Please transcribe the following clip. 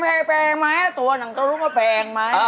แพงมั้ยแพงมั้ยตัวหนังตะลุงก็แพงมั้ย